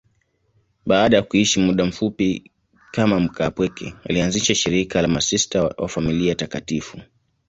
Baada ya kuishi muda mfupi kama mkaapweke, alianzisha shirika la Masista wa Familia Takatifu.